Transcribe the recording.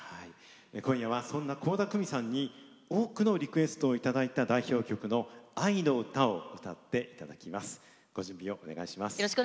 今夜は倖田來未さんに多くのリクエストをいただいた代表曲の「愛のうた」を歌っていただきます。